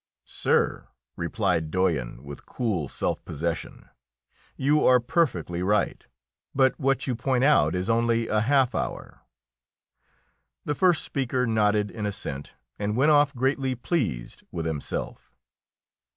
"Sir," replied Doyen with cool self possession, "you are perfectly right, but what you point out is only a half hour." The first speaker nodded in assent, and went off greatly pleased with himself.